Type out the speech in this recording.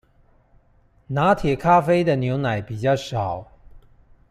拿鐵咖啡的牛奶比較少